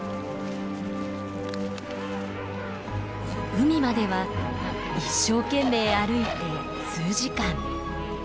海までは一生懸命歩いて数時間。